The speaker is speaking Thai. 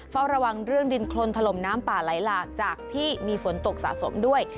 เฝ้าระวังเรื่องดินโครนถล่มน้ำป่าไหลหลากจากที่มีฝนตกสะสมด้วย